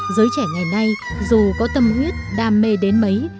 giới trẻ ngày nay dù có tâm huyết đam mê đến mấy